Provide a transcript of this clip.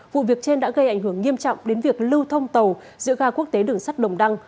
vụ việc trên đã gây ảnh hưởng nghiêm trọng đến việc lưu thông tàu giữa ga quốc tế đường sắt đồng đăng